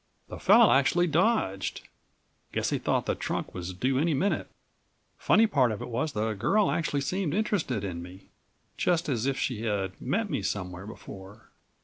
"The fellow actually dodged. Guess he thought the trunk was due any minute. "Funny part of it was the girl actually seemed interested in me, just as if she had met me somewhere before.